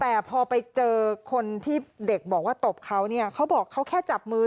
แต่พอไปเจอคนที่เด็กบอกว่าตบเขาเนี่ยเขาบอกเขาแค่จับมือ